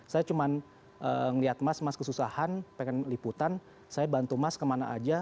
saya cuma melihat mas mas kesusahan pengen liputan saya bantu mas kemana aja